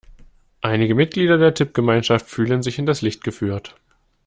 Einige Mitglieder der Tippgemeinschaft fühlen sich hinters Licht geführt.